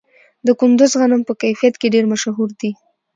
د کندز غنم په کیفیت کې ډیر مشهور دي.